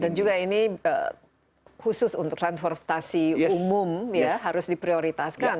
dan juga ini khusus untuk transportasi umum ya harus diprioritaskan